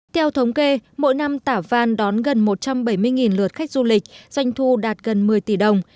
theo thống kê mỗi năm tả văn đón gần một trăm bảy mươi lượt khách du lịch doanh thu đạt gần một mươi tỷ đồng